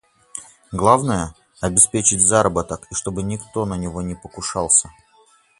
Главное – обеспечить заработок и чтобы никто на него не покушался.